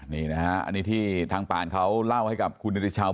นี่นะฮะอันนี้ที่ทางป่านเขาเล่าให้กับคุณนิติชาว